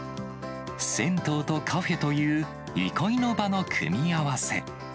銭湯とカフェという、憩いの場の組み合わせ。